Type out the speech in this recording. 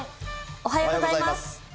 おはようございます。